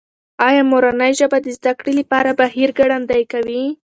ایا مورنۍ ژبه د زده کړې بهیر ګړندی کوي؟